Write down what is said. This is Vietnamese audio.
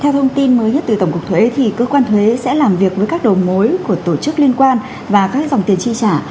theo thông tin mới nhất từ tổng cục thuế thì cơ quan thuế sẽ làm việc với các đầu mối của tổ chức liên quan và các dòng tiền chi trả